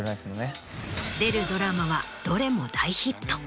出るドラマはどれも大ヒット。